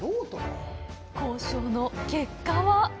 交渉の結果は。